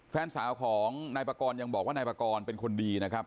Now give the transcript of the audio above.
แฟนสาวของนายปากรยังบอกว่านายปากรเป็นคนดีนะครับ